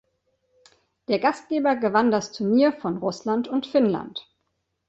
Der Gastgeber gewann das Turnier vor Russland und Finnland.